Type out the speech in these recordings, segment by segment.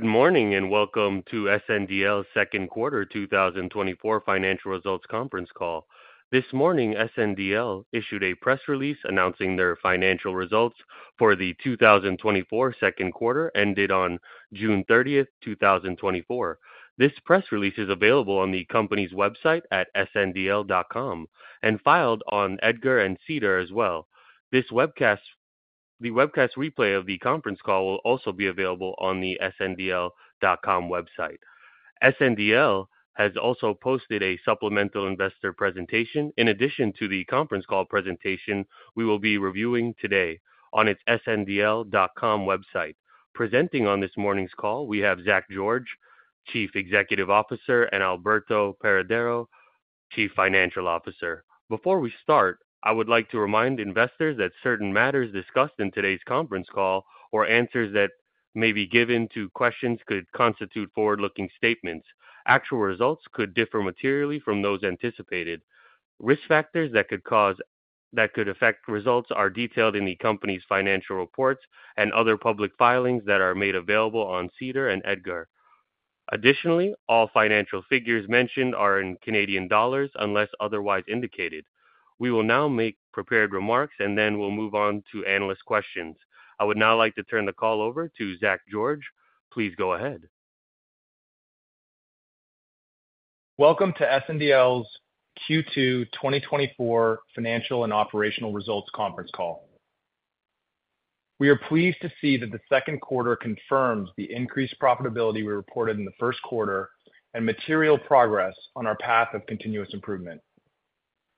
Good morning, and welcome to SNDL's Second Quarter 2024 Financial Results Conference Call. This morning, SNDL issued a press release announcing their financial results for the 2024 second quarter, ended on June 30, 2024. This press release is available on the company's website at sndl.com and filed on EDGAR and SEDAR as well. This webcast, the webcast replay of the conference call will also be available on the sndl.com website. SNDL has also posted a supplemental investor presentation in addition to the conference call presentation we will be reviewing today on its sndl.com website. Presenting on this morning's call, we have Zach George, Chief Executive Officer, and Alberto Paredero, Chief Financial Officer. Before we start, I would like to remind investors that certain matters discussed in today's conference call or answers that may be given to questions could constitute forward-looking statements. Actual results could differ materially from those anticipated. Risk factors that could affect results are detailed in the company's financial reports and other public filings that are made available on SEDAR and EDGAR. Additionally, all financial figures mentioned are in Canadian dollars, unless otherwise indicated. We will now make prepared remarks, and then we'll move on to analyst questions. I would now like to turn the call over to Zach George. Please go ahead. Welcome to SNDL's Q2 2024 Financial and Operational Results Conference Call. We are pleased to see that the second quarter confirms the increased profitability we reported in the first quarter and material progress on our path of continuous improvement.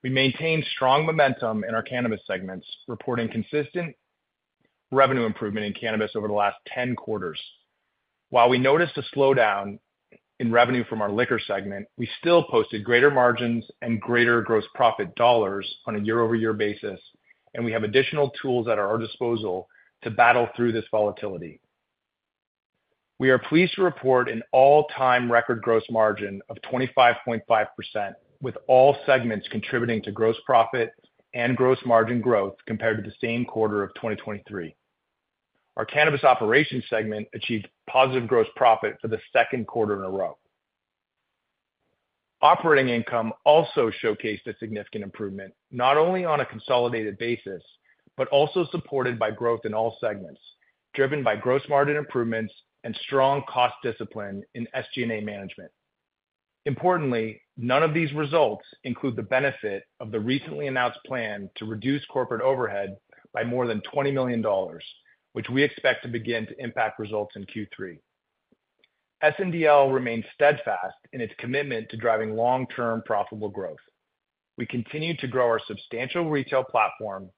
We maintained strong momentum in our cannabis segments, reporting consistent revenue improvement in cannabis over the last 10 quarters. While we noticed a slowdown in revenue from our liquor segment, we still posted greater margins and greater gross profit dollars on a year-over-year basis, and we have additional tools at our disposal to battle through this volatility. We are pleased to report an all-time record gross margin of 25.5%, with all segments contributing to gross profit and gross margin growth compared to the same quarter of 2023. Our Cannabis Operations segment achieved positive gross profit for the second quarter in a row. Operating income also showcased a significant improvement, not only on a consolidated basis, but also supported by growth in all segments, driven by gross margin improvements and strong cost discipline in SG&A management. Importantly, none of these results include the benefit of the recently announced plan to reduce corporate overhead by more than 20 million dollars, which we expect to begin to impact results in Q3. SNDL remains steadfast in its commitment to driving long-term profitable growth. We continue to grow our substantial retail platform,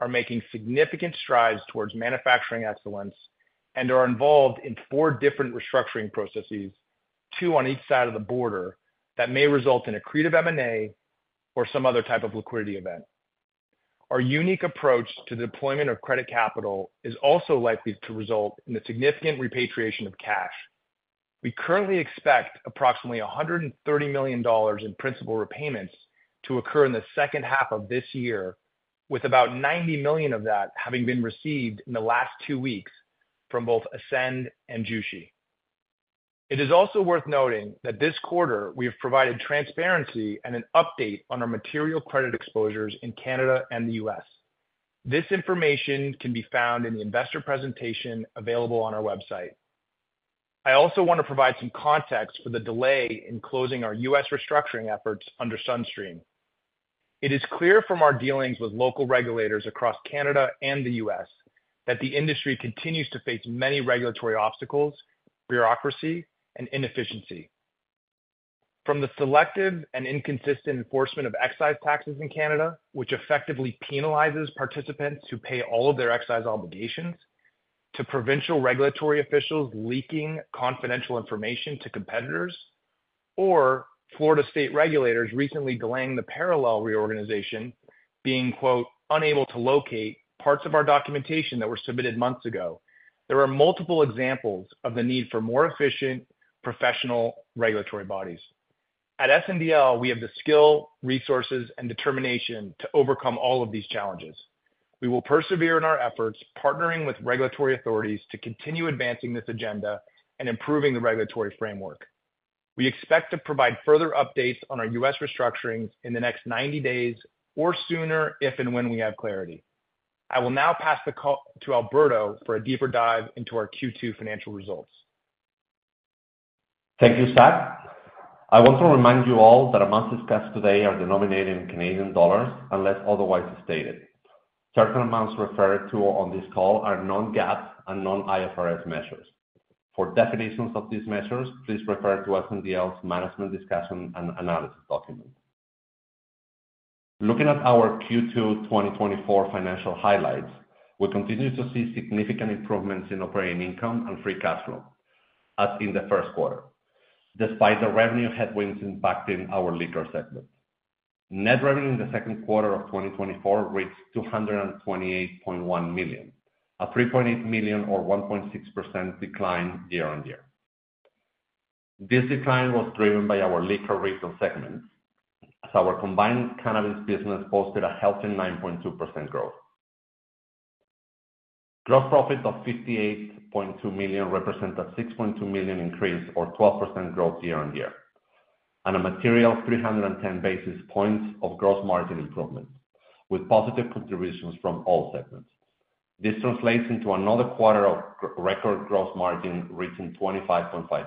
are making significant strides towards manufacturing excellence, and are involved in four different restructuring processes, two on each side of the border, that may result in accretive M&A or some other type of liquidity event. Our unique approach to the deployment of credit capital is also likely to result in the significant repatriation of cash. We currently expect approximately $130 million in principal repayments to occur in the second half of this year, with about $90 million of that having been received in the last two weeks from both Ascend and Jushi. It is also worth noting that this quarter, we have provided transparency and an update on our material credit exposures in Canada and the U.S. This information can be found in the investor presentation available on our website. I also want to provide some context for the delay in closing our U.S. restructuring efforts under SunStream. It is clear from our dealings with local regulators across Canada and the U.S. that the industry continues to face many regulatory obstacles, bureaucracy, and inefficiency. From the selective and inconsistent enforcement of excise taxes in Canada, which effectively penalizes participants who pay all of their excise obligations, to provincial regulatory officials leaking confidential information to competitors, or Florida state regulators recently delaying the Parallel reorganization, being, quote, "unable to locate parts of our documentation that were submitted months ago." There are multiple examples of the need for more efficient, professional regulatory bodies. At SNDL, we have the skill, resources, and determination to overcome all of these challenges. We will persevere in our efforts, partnering with regulatory authorities to continue advancing this agenda and improving the regulatory framework. We expect to provide further updates on our U.S. restructuring in the next 90 days or sooner, if and when we have clarity. I will now pass the call to Alberto for a deeper dive into our Q2 financial results. Thank you, Zach. I want to remind you all that amounts discussed today are denominated in Canadian dollars, unless otherwise stated. Certain amounts referred to on this call are non-GAAP and non-IFRS measures. For definitions of these measures, please refer to SNDL's Management's Discussion and Analysis document. Looking at our Q2 2024 financial highlights, we continue to see significant improvements in operating income and free cash flow as in the first quarter, despite the revenue headwinds impacting our liquor segment. Net revenue in the second quarter of 2024 reached 228.1 million, a 3.8 million or 1.6% decline year-over-year. This decline was driven by our Liquor Retail segment, as our combined cannabis business posted a healthy 9.2% growth. Gross profit of 58.2 million represent a 6.2 million increase, or 12% growth year-on-year, and a material 310 basis points of gross margin improvement, with positive contributions from all segments. This translates into another quarter of record gross margin, reaching 25.5%.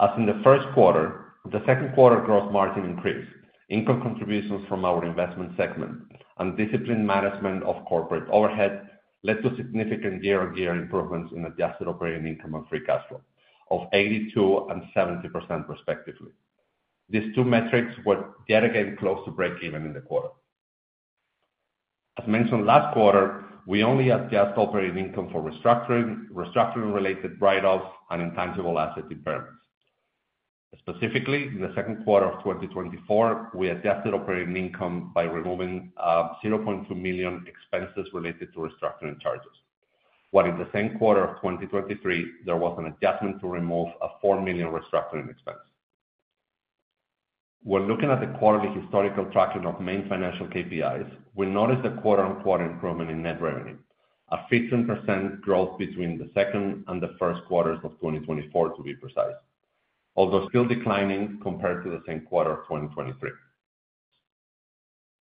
As in the first quarter, the second quarter gross margin increased. Income contributions from our Investments segment and disciplined management of corporate overhead led to significant year-on-year improvements in adjusted operating income and free cash flow of 82% and 70% respectively. These two metrics were yet again close to breakeven in the quarter. As mentioned last quarter, we only adjust operating income for restructuring, restructuring-related write-offs, and intangible asset impairments. Specifically, in the second quarter of 2024, we adjusted operating income by removing 0.2 million expenses related to restructuring charges. While in the same quarter of 2023, there was an adjustment to remove a 4 million restructuring expense. We're looking at the quarterly historical tracking of main financial KPIs. We noticed a quarter-over-quarter improvement in net revenue, a 15% growth between the second and the first quarters of 2024, to be precise, although still declining compared to the same quarter of 2023.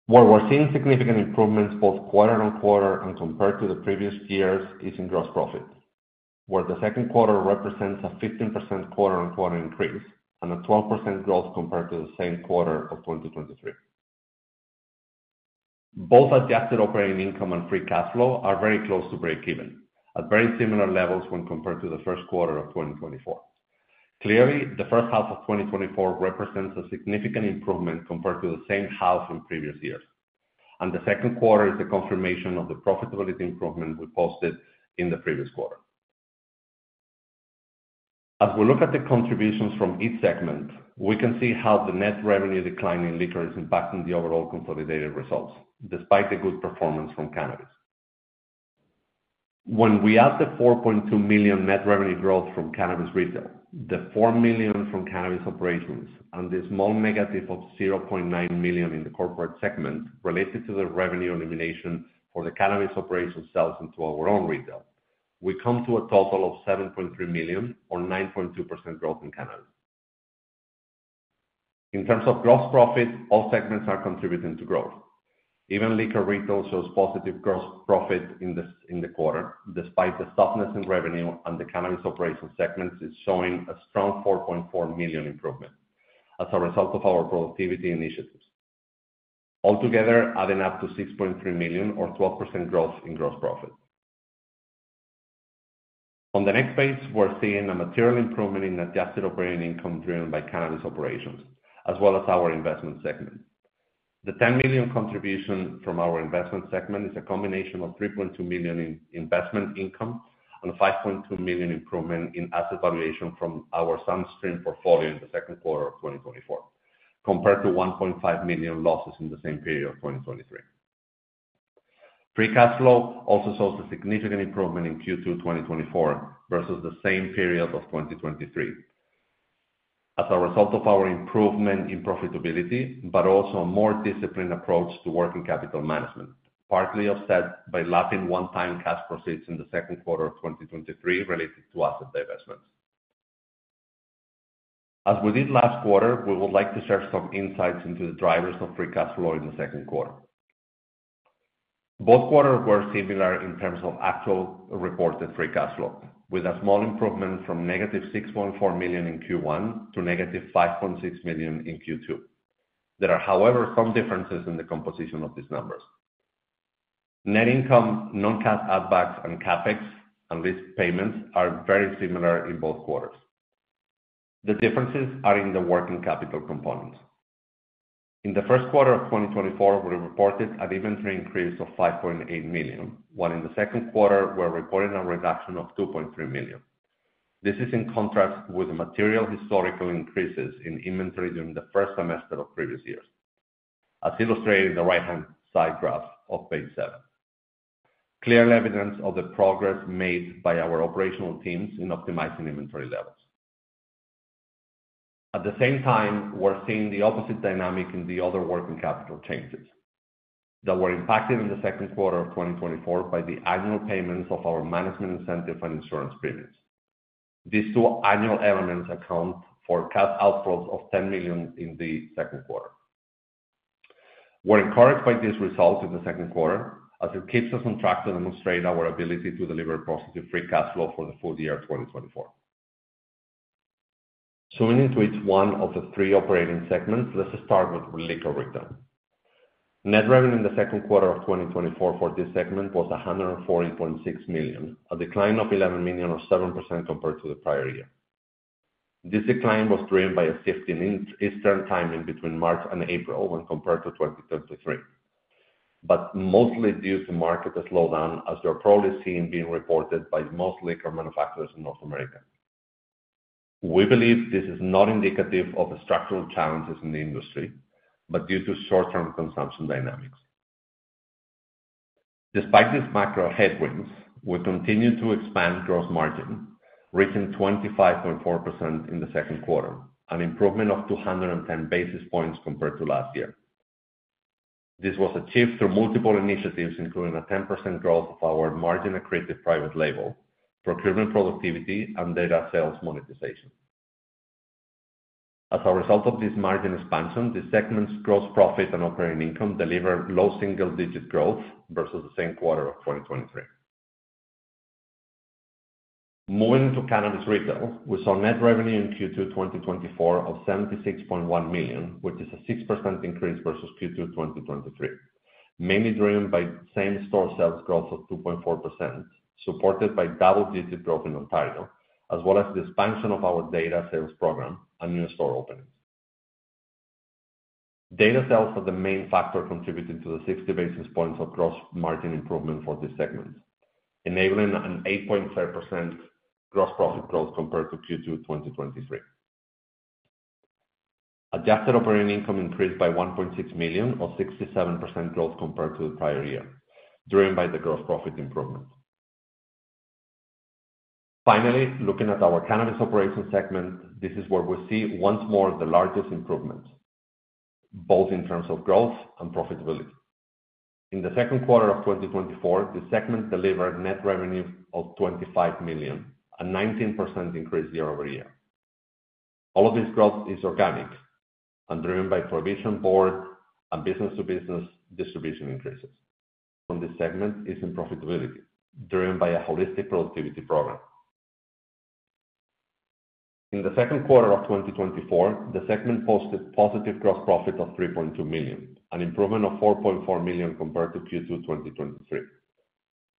Where we're seeing significant improvements both quarter-over-quarter and compared to the previous years is in gross profits, where the second quarter represents a 15% quarter-over-quarter increase and a 12% growth compared to the same quarter of 2023. Both adjusted operating income and free cash flow are very close to breakeven, at very similar levels when compared to the first quarter of 2024. Clearly, the first half of 2024 represents a significant improvement compared to the same half in previous years, and the second quarter is the confirmation of the profitability improvement we posted in the previous quarter. As we look at the contributions from each segment, we can see how the net revenue decline in liquor is impacting the overall consolidated results, despite the good performance from cannabis. When we add the 4.2 million net revenue growth from Cannabis Retail, the 4 million from Cannabis Operations, and the small negative of 0.9 million in the corporate segment related to the revenue elimination for the Cannabis Operations sales into our own retail, we come to a total of 7.3 million, or 9.2% growth in cannabis. In terms of gross profit, all segments are contributing to growth. Even Liquor Retail shows positive gross profit in the second quarter, despite the softness in revenue, and the Cannabis Operations segment is showing a strong 4.4 million improvement as a result of our productivity initiatives. Altogether, adding up to 6.3 million, or 12% growth in gross profit. On the next page, we're seeing a material improvement in adjusted operating income, driven by Cannabis Operations, as well as our Investments segment. The 10 million contribution from our Investments segment is a combination of 3.2 million in investment income and a 5.2 million improvement in asset valuation from our SunStream portfolio in the second quarter of 2024, compared to 1.5 million losses in the same period of 2023. Free cash flow also shows a significant improvement in Q2 2024, versus the same period of 2023. As a result of our improvement in profitability, but also a more disciplined approach to working capital management, partly offset by lacking one-time cash proceeds in the second quarter of 2023 related to asset divestments. As we did last quarter, we would like to share some insights into the drivers of free cash flow in the second quarter. Both quarters were similar in terms of actual reported free cash flow, with a small improvement from negative 6.4 million in Q1 to negative 5.6 million in Q2. There are, however, some differences in the composition of these numbers. Net income, non-cash add-backs, and CapEx, and lease payments are very similar in both quarters. The differences are in the working capital components. In the first quarter of 2024, we reported an inventory increase of 5.8 million, while in the second quarter, we're reporting a reduction of 2.3 million. This is in contrast with the material historical increases in inventory during the first semester of previous years, as illustrated in the right-hand side graph of page 7. Clear evidence of the progress made by our operational teams in optimizing inventory levels. At the same time, we're seeing the opposite dynamic in the other working capital changes that were impacted in the second quarter of 2024 by the annual payments of our management incentive and insurance premiums. These two annual elements account for cash outflows of 10 million in the second quarter. We're encouraged by these results in the second quarter, as it keeps us on track to demonstrate our ability to deliver positive free cash flow for the full year of 2024. Tuning into each one of the three operating segments, let's start with Liquor Retail. Net revenue in the second quarter of 2024 for this segment was 114.6 million, a decline of 11 million or 7% compared to the prior year. This decline was driven by a shift in seasonal timing between March and April when compared to 2023, but mostly due to market slowdown, as you're probably seeing being reported by most liquor manufacturers in North America. We believe this is not indicative of the structural challenges in the industry, but due to short-term consumption dynamics.... Despite these macro headwinds, we continue to expand gross margin, reaching 25.4% in the second quarter, an improvement of 210 basis points compared to last year. This was achieved through multiple initiatives, including a 10% growth of our margin accretive private label, procurement productivity, and data sales monetization. As a result of this margin expansion, the segment's gross profit and operating income delivered low single-digit growth versus the same quarter of 2023. Moving to Cannabis Retail, we saw net revenue in Q2 2024 of 76.1 million, which is a 6% increase versus Q2 2023, mainly driven by same-store sales growth of 2.4%, supported by double-digit growth in Ontario, as well as the expansion of our data sales program and new store openings. Data sales are the main factor contributing to the 60 basis points of gross margin improvement for this segment, enabling an 8.3% gross profit growth compared to Q2 2023. Adjusted operating income increased by 1.6 million, or 67% growth compared to the prior year, driven by the gross profit improvement. Finally, looking at our Cannabis Operations segment, this is where we see once more the largest improvement, both in terms of growth and profitability. In the second quarter of 2024, the segment delivered net revenue of 25 million, a 19% increase year-over-year. All of this growth is organic and driven by provincial board and business-to-business distribution increases. From this segment is in profitability, driven by a holistic productivity program. In the second quarter of 2024, the segment posted positive gross profit of 3.2 million, an improvement of 4.4 million compared to Q2 2023.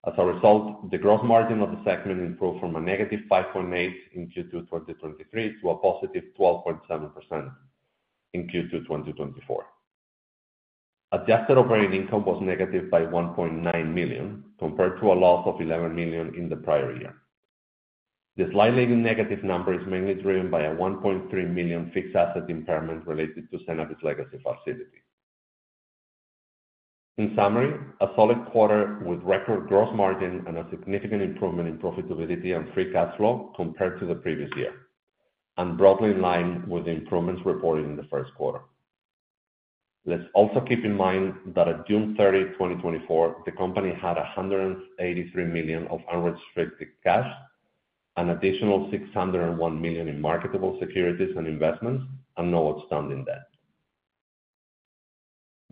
As a result, the gross margin of the segment improved from -5.8% in Q2 2023 to 12.7% in Q2 2024. Adjusted operating income was -1.9 million, compared to a loss of 11 million in the prior year. The slightly negative number is mainly driven by a 1.3 million fixed asset impairment related to cannabis legacy facility. In summary, a solid quarter with record gross margin and a significant improvement in profitability and free cash flow compared to the previous year, and broadly in line with the improvements reported in the first quarter. Let's also keep in mind that on June 30, 2024, the company had 183 million of unrestricted cash, an additional 601 million in marketable securities and investments, and no outstanding debt.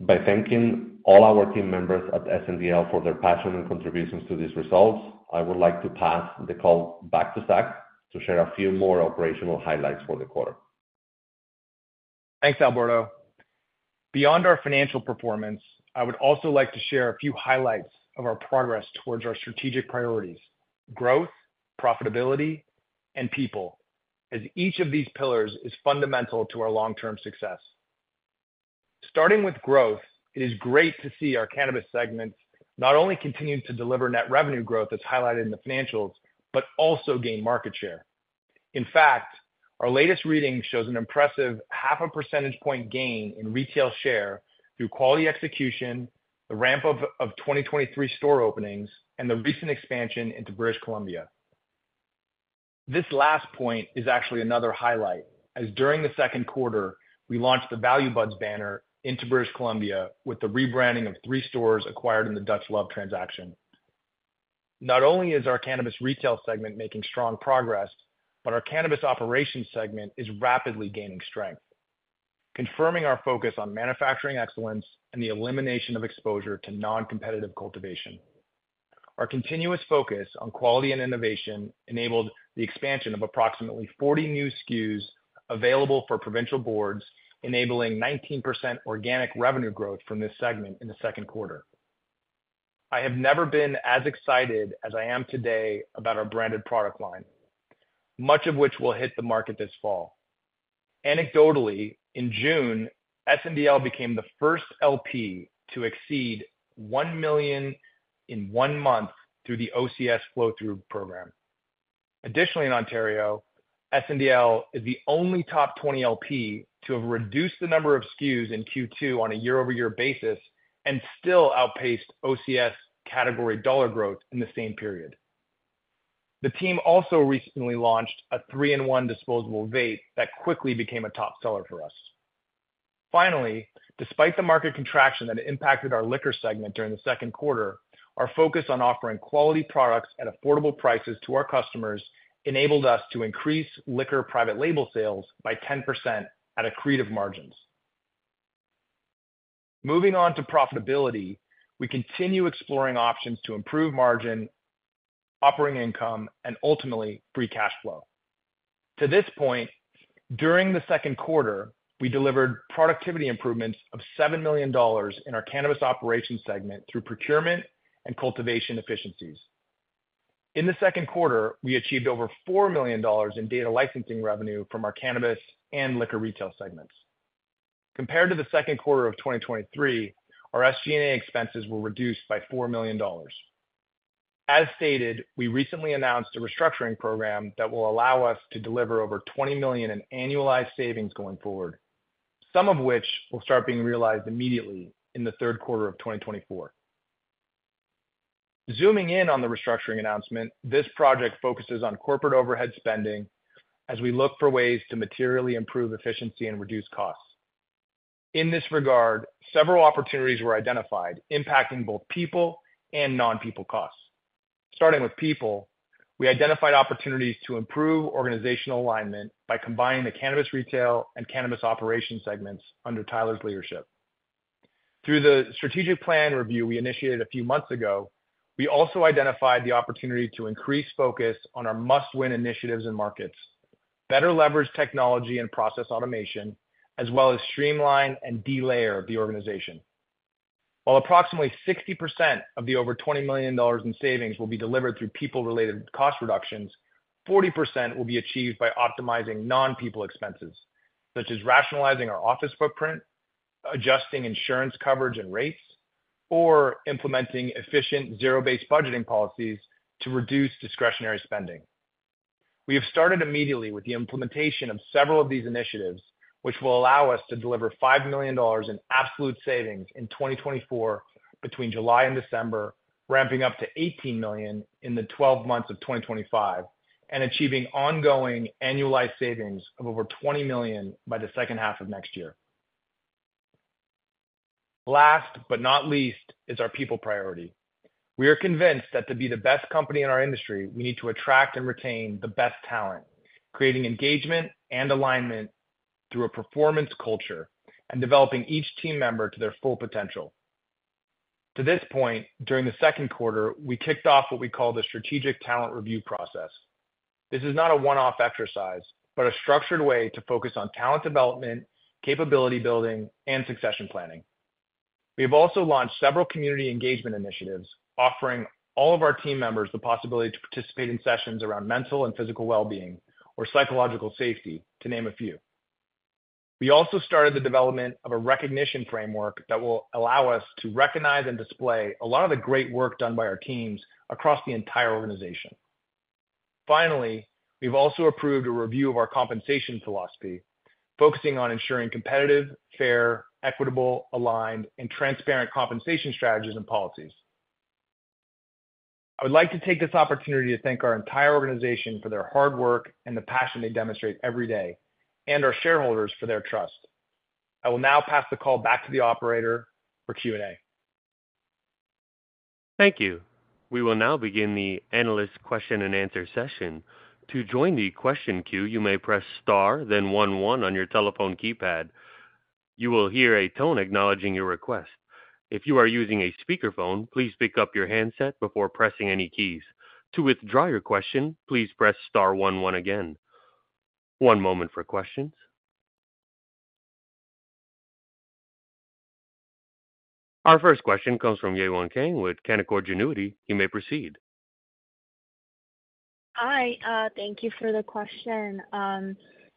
By thanking all our team members at SNDL for their passion and contributions to these results, I would like to pass the call back to Zach to share a few more operational highlights for the quarter. Thanks, Alberto. Beyond our financial performance, I would also like to share a few highlights of our progress towards our strategic priorities: growth, profitability, and people, as each of these pillars is fundamental to our long-term success. Starting with growth, it is great to see our cannabis segment not only continue to deliver net revenue growth as highlighted in the financials, but also gain market share. In fact, our latest reading shows an impressive 0.5 percentage point gain in retail share through quality execution, the ramp of 2023 store openings, and the recent expansion into British Columbia. This last point is actually another highlight, as during the second quarter, we launched the Value Buds banner into British Columbia with the rebranding of three stores acquired in the Dutch Love transaction. Not only is our Cannabis Retail segment making strong progress, but our Cannabis Operations segment is rapidly gaining strength, confirming our focus on manufacturing excellence and the elimination of exposure to non-competitive cultivation. Our continuous focus on quality and innovation enabled the expansion of approximately 40 new SKUs available for provincial boards, enabling 19% organic revenue growth from this segment in the second quarter. I have never been as excited as I am today about our branded product line, much of which will hit the market this fall. Anecdotally, in June, SNDL became the first LP to exceed 1 million in one month through the OCS flow-through program. Additionally, in Ontario, SNDL is the only top 20 LP to have reduced the number of SKUs in Q2 on a year-over-year basis and still outpaced OCS category dollar growth in the same period. The team also recently launched a three-in-one disposable vape that quickly became a top seller for us. Finally, despite the market contraction that impacted our liquor segment during the second quarter, our focus on offering quality products at affordable prices to our customers enabled us to increase liquor private label sales by 10% at accretive margins. Moving on to profitability, we continue exploring options to improve margin, operating income, and ultimately, free cash flow. To this point, during the second quarter, we delivered productivity improvements of 7 million dollars in our Cannabis Operations segment through procurement and cultivation efficiencies. In the second quarter, we achieved over 4 million dollars in data licensing revenue from our cannabis and liquor retail segments. Compared to the second quarter of 2023, our SG&A expenses were reduced by 4 million dollars. As stated, we recently announced a restructuring program that will allow us to deliver over 20 million in annualized savings going forward, some of which will start being realized immediately in the third quarter of 2024. Zooming in on the restructuring announcement, this project focuses on corporate overhead spending as we look for ways to materially improve efficiency and reduce costs. In this regard, several opportunities were identified, impacting both people and non-people costs. Starting with people, we identified opportunities to improve organizational alignment by combining the Cannabis Retail and Cannabis Operations segment under Tyler's leadership. Through the strategic plan review we initiated a few months ago, we also identified the opportunity to increase focus on our must-win initiatives and markets, better leverage technology and process automation, as well as streamline and delayer the organization. While approximately 60% of the over 20 million dollars in savings will be delivered through people-related cost reductions, 40% will be achieved by optimizing non-people expenses, such as rationalizing our office footprint, adjusting insurance coverage and rates, or implementing efficient zero-based budgeting policies to reduce discretionary spending. We have started immediately with the implementation of several of these initiatives, which will allow us to deliver 5 million dollars in absolute savings in 2024 between July and December, ramping up to 18 million in the 12 months of 2025, and achieving ongoing annualized savings of over 20 million by the second half of next year. Last, but not least, is our people priority. We are convinced that to be the best company in our industry, we need to attract and retain the best talent, creating engagement and alignment through a performance culture and developing each team member to their full potential. To this point, during the second quarter, we kicked off what we call the strategic talent review process. This is not a one-off exercise, but a structured way to focus on talent development, capability building, and succession planning. We have also launched several community engagement initiatives, offering all of our team members the possibility to participate in sessions around mental and physical well-being or psychological safety, to name a few. We also started the development of a recognition framework that will allow us to recognize and display a lot of the great work done by our teams across the entire organization. Finally, we've also approved a review of our compensation philosophy, focusing on ensuring competitive, fair, equitable, aligned, and transparent compensation strategies and policies. I would like to take this opportunity to thank our entire organization for their hard work and the passion they demonstrate every day, and our shareholders for their trust. I will now pass the call back to the operator for Q&A. Thank you. We will now begin the analyst question-and-answer session. To join the question queue, you may press star, then one, one on your telephone keypad. You will hear a tone acknowledging your request. If you are using a speakerphone, please pick up your handset before pressing any keys. To withdraw your question, please press star one one again. One moment for questions. Our first question comes from Yewon Kang with Canaccord Genuity. You may proceed. Hi, thank you for the question.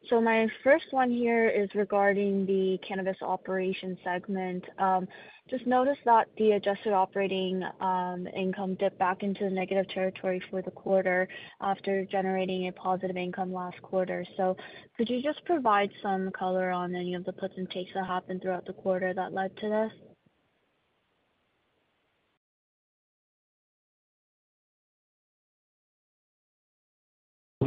So my first one here is regarding the Cannabis Operations segment. Just noticed that the adjusted operating income dipped back into negative territory for the quarter after generating a positive income last quarter. So could you just provide some color on any of the puts and takes that happened throughout the quarter that led to this?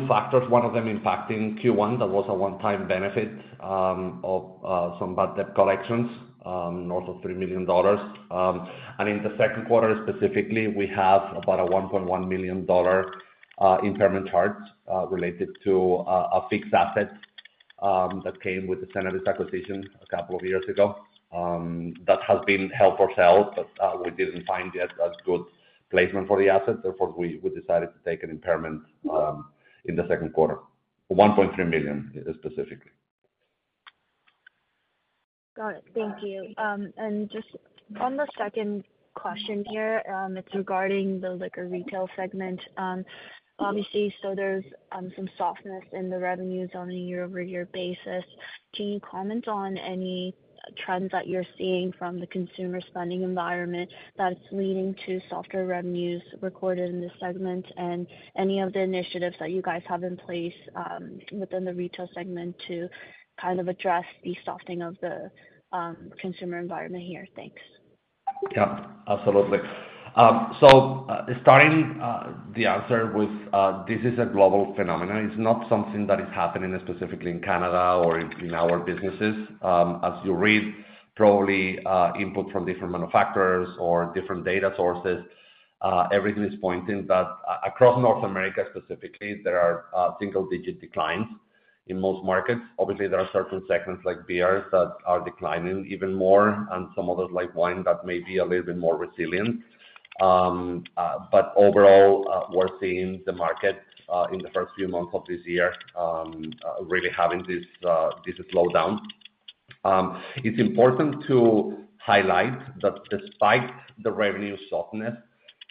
Factors, one of them impacting Q1. That was a one-time benefit of some bad debt collections north of 3 million dollars. In the second quarter, specifically, we have about a 1.1 million dollar impairment charge related to a fixed asset that came with the cannabis acquisition a couple of years ago. That has been held for sale, but we didn't find yet a good placement for the asset, therefore, we decided to take an impairment in the second quarter. 1.3 million, specifically. Got it. Thank you. And just on the second question here, it's regarding the liquor retail segment. Obviously, so there's some softness in the revenues on a year-over-year basis. Can you comment on any trends that you're seeing from the consumer spending environment that's leading to softer revenues recorded in this segment, and any of the initiatives that you guys have in place within the retail segment to kind of address the softening of the consumer environment here? Thanks. Yeah, absolutely. So, starting the answer with, this is a global phenomenon. It's not something that is happening specifically in Canada or in our businesses. As you read, probably, input from different manufacturers or different data sources, everything is pointing that across North America, specifically, there are single-digit declines in most markets. Obviously, there are certain segments, like beers, that are declining even more, and some others, like wine, that may be a little bit more resilient. But overall, we're seeing the market in the first few months of this year, really having this slowdown. It's important to highlight that despite the revenue softness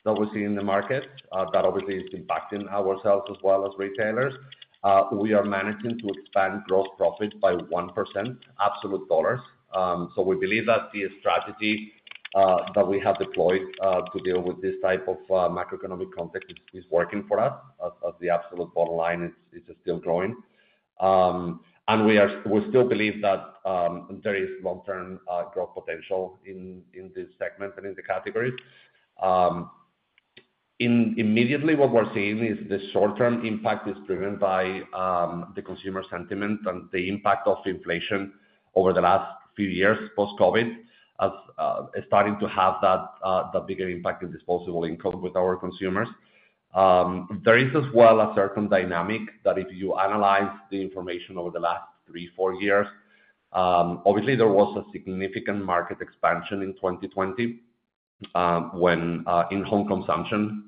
that we see in the market, that obviously is impacting ourselves as well as retailers, we are managing to expand gross profit by 1%, absolute dollars. So we believe that that we have deployed to deal with this type of macroeconomic context is working for us, as the absolute bottom line is still growing. And we still believe that there is long-term growth potential in this segment and in the categories. Immediately what we're seeing is the short-term impact is driven by the consumer sentiment and the impact of inflation over the last few years, post-COVID, as starting to have that the bigger impact is disposable income with our consumers. There is as well a certain dynamic that if you analyze the information over the last three, four years, obviously there was a significant market expansion in 2020, when in-home consumption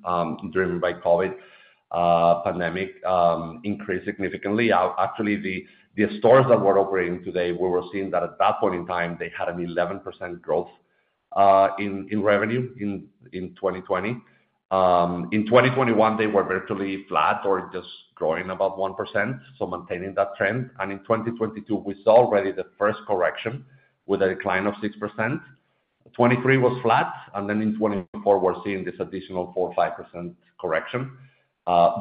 driven by COVID pandemic increased significantly. Actually, the stores that we're operating today, we were seeing that at that point in time, they had an 11% growth in revenue in 2020. In 2021, they were virtually flat or just growing about 1%, so maintaining that trend. And in 2022, we saw already the first correction with a decline of 6%. 2023 was flat, and then in 2024, we're seeing this additional 4%-5% correction.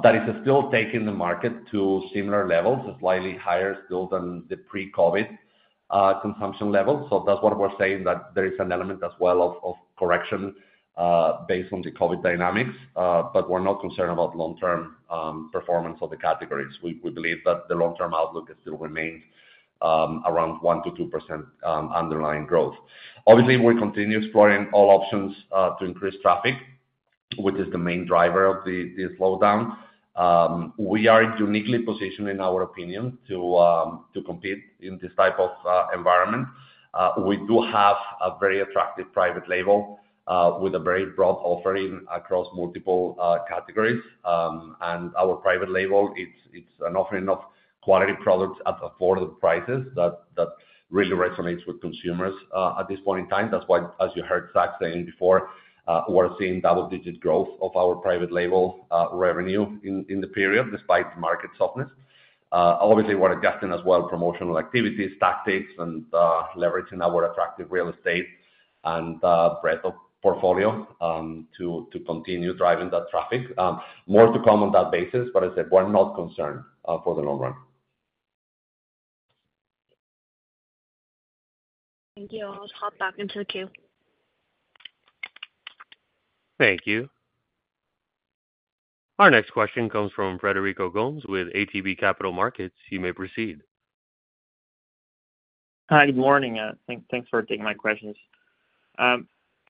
That is still taking the market to similar levels, slightly higher still than the pre-COVID consumption level. So that's what we're saying, that there is an element as well of correction based on the COVID dynamics. But we're not concerned about long-term performance of the categories. We believe that the long-term outlook is still remains around 1%-2% underlying growth. Obviously, we continue exploring all options to increase traffic, which is the main driver of the slowdown. We are uniquely positioned, in our opinion, to compete in this type of environment. We do have a very attractive private label with a very broad offering across multiple categories. And our private label, it's an offering of quality products at affordable prices that really resonates with consumers at this point in time. That's why, as you heard Zach saying before, we're seeing double-digit growth of our private label revenue in the period, despite market softness. Obviously, we're adjusting as well promotional activities, tactics, and leveraging our attractive real estate and breadth of portfolio, to continue driving that traffic. More to come on that basis, but as I said, we're not concerned for the long run. Thank you. I'll hop back into the queue. Thank you. Our next question comes from Frederico Gomes with ATB Capital Markets. You may proceed. Hi, good morning, thanks for taking my questions.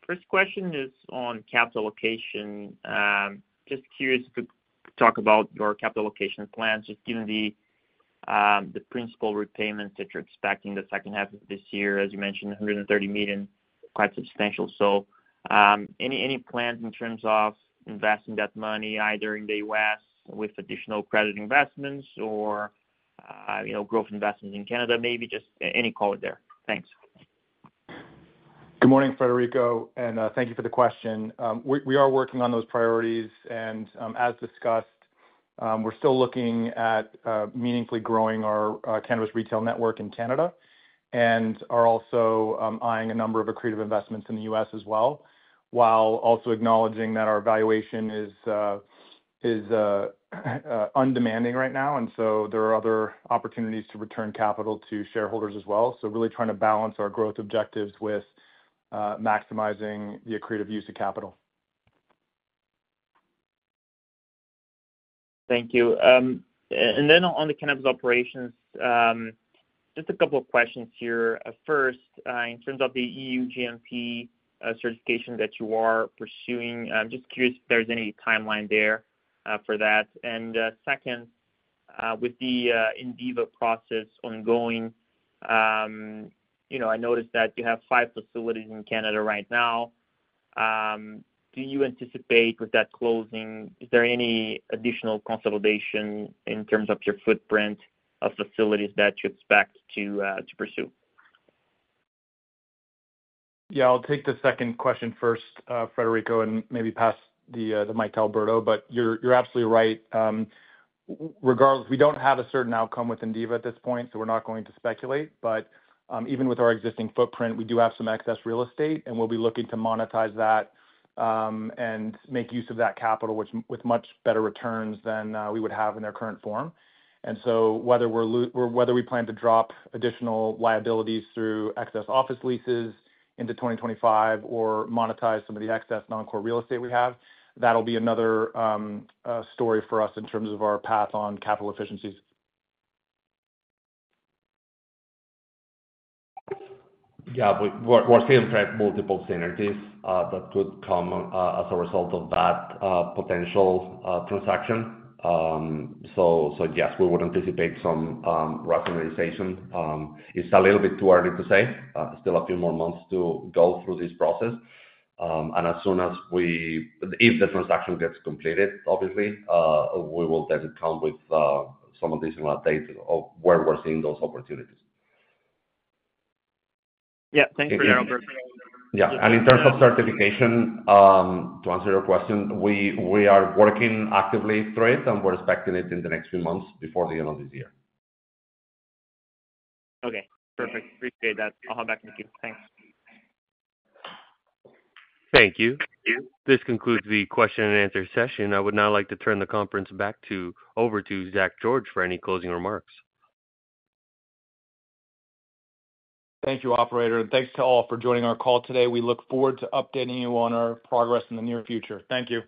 First question is on capital allocation. Just curious to talk about your capital allocation plans, just given the principal repayments that you're expecting in the second half of this year. As you mentioned, 130 million, quite substantial. So, any plans in terms of investing that money either in the U.S. with additional credit investments or, you know, growth investments in Canada? Maybe just any comment there. Thanks. Good morning, Frederico, and thank you for the question. We, we are working on those priorities, and, as discussed, we're still looking at, meaningfully growing our, Cannabis Retail network in Canada, and are also, eyeing a number of accretive investments in the U.S. as well, while also acknowledging that our valuation is, is, undemanding right now, and so there are other opportunities to return capital to shareholders as well. So really trying to balance our growth objectives with, maximizing the accretive use of capital. Thank you. And then on the Cannabis Operations, just a couple of questions here. First, in terms of the EU GMP certification that you are pursuing, I'm just curious if there's any timeline there for that. Second, with the Indiva process ongoing, you know, I noticed that you have five facilities in Canada right now. Do you anticipate with that closing, is there any additional consolidation in terms of your footprint of facilities that you expect to pursue? Yeah, I'll take the second question first, Federico, and maybe pass the mic to Alberto. But you're absolutely right. Regardless, we don't have a certain outcome with Indiva at this point, so we're not going to speculate. But even with our existing footprint, we do have some excess real estate, and we'll be looking to monetize that, and make use of that capital, which with much better returns than we would have in their current form. And so whether we plan to drop additional liabilities through excess office leases into 2025 or monetize some of the excess non-core real estate we have, that'll be another story for us in terms of our path on capital efficiencies. Yeah, we're seeing quite multiple synergies that could come as a result of that potential transaction. So yes, we would anticipate some rough realization. It's a little bit too early to say, still a few more months to go through this process. And as soon as we... If the transaction gets completed, obviously, we will then count with some additional updates of where we're seeing those opportunities. Yeah, thanks for that, Alberto. Yeah. In terms of certification, to answer your question, we are working actively through it, and we're expecting it in the next few months, before the end of this year. Okay, perfect. Appreciate that. I'll hop back in the queue. Thanks. Thank you. This concludes the question-and-answer session. I would now like to turn the conference over to Zach George for any closing remarks. Thank you, operator, and thanks to all for joining our call today. We look forward to updating you on our progress in the near future. Thank you.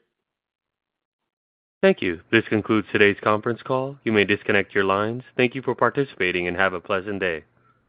Thank you. This concludes today's conference call. You may disconnect your lines. Thank you for participating and have a pleasant day.